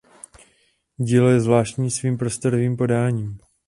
Dílo je zvláštní svým prostorovým podáním.